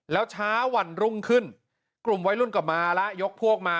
แล้วช้าวันรุ่งขึ้นกลุ่มวัยรุ่นก็มาแล้วยกพวกมา